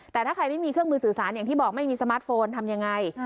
แต่ถ้าใครไม่มีเครื่องมือสื่อสารอย่างที่บอกไม่มีสมาร์ทโฟนทำยังไง